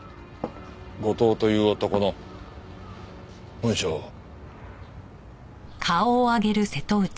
後藤という男の本性を。